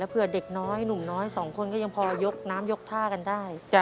เผื่อเด็กน้อยหนุ่มน้อยสองคนก็ยังพอยกน้ำยกท่ากันได้